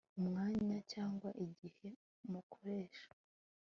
umwanya cyangwa igihe mukoresha